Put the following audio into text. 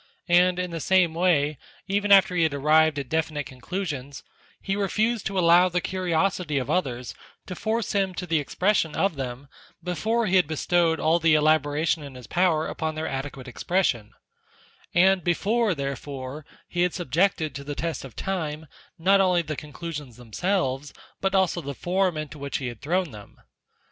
And, in the same way, even after he had arrived at definite conclusions, he refused to allow the curiosity of others to force him to the expression of them before he had bestowed all the elaboration in his power upon their adequate expression, and before, therefore, he had subjected to the test of time, not only the conclusions themselves, but also the form into which he had thrown them.